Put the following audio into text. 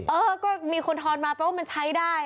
เออก็มีคนทอนมาแปลว่ามันใช้ได้